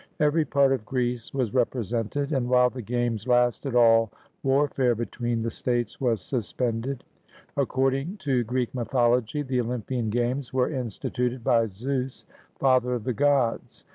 Every part of Greece was represented, and while the games lasted all warfare between the states was suspended. According to Greek mythology the Olympian Games were instituted by Zeus, father of the gods.